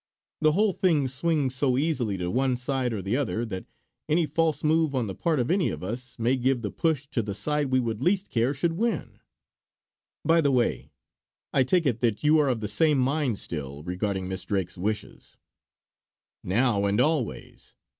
The whole thing swings so easily to one side or the other, that any false move on the part of any of us may give the push to the side we would least care should win. By the way, I take it that you are of the same mind still regarding Miss Drake's wishes." "Now and always!